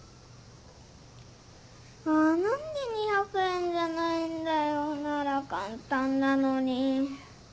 あ何で２００円じゃないんだよなら簡単なのに。